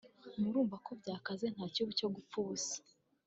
murumva ko byakaze nta cyubu cyo gupfa ubusa